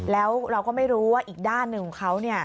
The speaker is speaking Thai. แล้วเราก็ไม่รู้ว่าอีกด้านหนึ่งของเขา